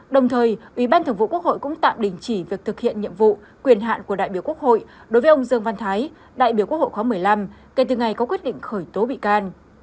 đồng thời ủy ban thường vụ quốc hội cũng tạm đình chỉ việc thực hiện nhiệm vụ quyền hạn của đại biểu quốc hội đối với ông dương văn thái đại biểu quốc hội khóa một mươi năm kể từ ngày có quyết định khởi tố bị can